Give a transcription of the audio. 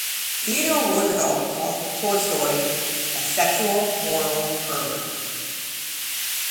Theodore Roosevelt called Tolstoy a sexual moral pervert.